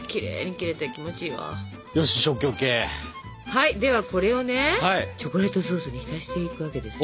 はいではこれをねチョコレートソースに浸していくわけですよ。